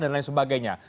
dan lain sebagainya